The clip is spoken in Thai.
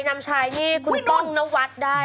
นำชายนี่คุณป้องนวัดได้